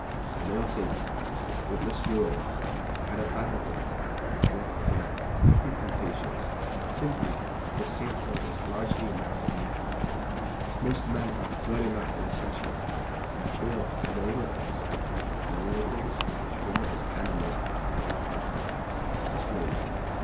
The male saints witness Jerome had a time of it with their petty temptations, simply because sainthood is largely a matter of detail. Most men are good enough in essentials, but fail in the little things; the little things, of which woman is enamored, too often, the slave.